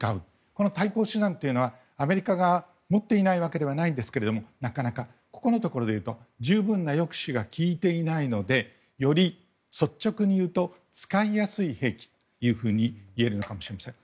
この対抗手段というのはアメリカが持っていないわけではないんですがなかなか、このところでいうと十分な抑止が効いていないのでより率直に言うと使いやすい兵器というふうにいえるのかもしれません。